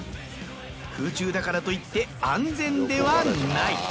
空中だからといって安全ではない。